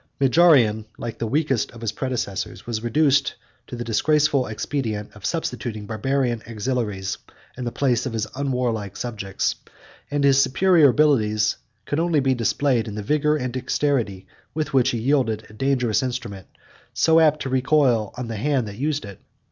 Majorian, like the weakest of his predecessors, was reduced to the disgraceful expedient of substituting Barbarian auxiliaries in the place of his unwarlike subjects: and his superior abilities could only be displayed in the vigor and dexterity with which he wielded a dangerous instrument, so apt to recoil on the hand that used it.